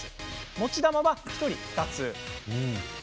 持ち球は１人２つ。